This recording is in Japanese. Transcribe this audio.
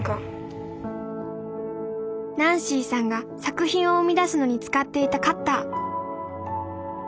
ナンシーさんが作品を生み出すのに使っていたカッター